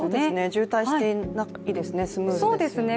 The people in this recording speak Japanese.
渋滞していないですね、スムーズですよね。